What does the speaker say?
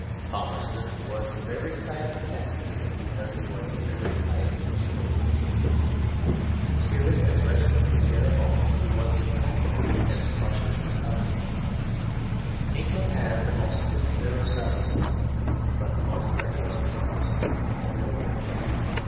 Palmerston was the very type of Pacifism, because he was the very type of Jingoism. In spirit as restless as Garibaldi, he was in practice as cautious as Cobden. England had the most prudent aristocracy, but the most reckless democracy in the world.